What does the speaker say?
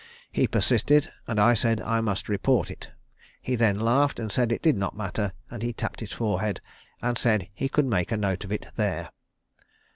He persisted, and I said I must report it. He then laughed and said it did not matter, and he tapped his forehead and said he could make a note of it there.